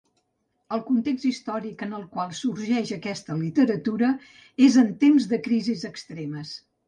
El context històric en el qual sorgeix aquesta literatura, és en temps de crisis extremes.